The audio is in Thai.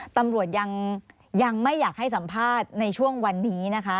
ตำรวจยังไม่อยากให้สัมภาษณ์ในช่วงวันนี้นะคะ